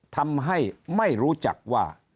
ทำให้ไม่รู้จักว่า